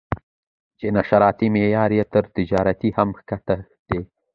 چې نشراتي معیار یې تر تجارتي هم ښکته دی.